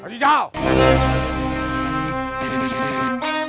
jihan pulang duluan